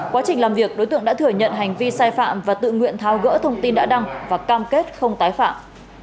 quá trình làm việc đối tượng đã thừa nhận hành vi sai phạm và tự nguyện tháo gỡ thông tin đã đăng và cam kết không tái phạm